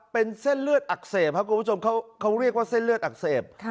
เป็นเส้นเลือดอักเสบครับคุณผู้ชมเขาเรียกว่าเส้นเลือดอักเสบ